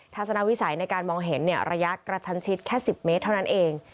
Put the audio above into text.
ทัศนวิสัยในการมองเห็นระยะกระชันชิดแค่๑๐เมตรเท่านั้นเอง